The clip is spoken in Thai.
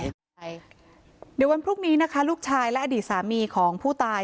เดี๋ยววันพรุ่งนี้นะคะลูกชายและอดีตสามีของผู้ตาย